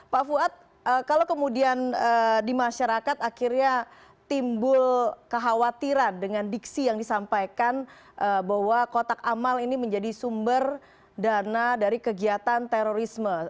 pak fuad kalau kemudian di masyarakat akhirnya timbul kekhawatiran dengan diksi yang disampaikan bahwa kotak amal ini menjadi sumber dana dari kegiatan terorisme